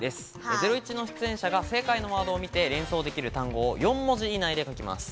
『ゼロイチ』の出演者が正解のワードを見て、連想できる単語を４文字以内で書きます。